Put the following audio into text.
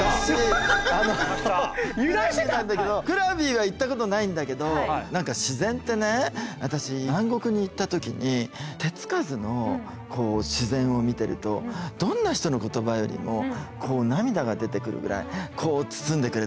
クラビは行ったことないんだけど何か自然ってね私南国に行った時に手付かずの自然を見てるとどんな人の言葉よりもこう涙が出てくるぐらいこう包んでくれたのね。